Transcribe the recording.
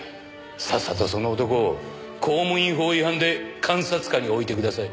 さっさとその男を公務員法違反で監察下に置いてください。